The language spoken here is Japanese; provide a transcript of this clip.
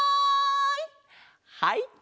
はい！